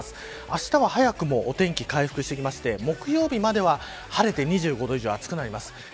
あしたは早くお天気が回復してきて木曜日までは晴れて２５度以上暑くなります。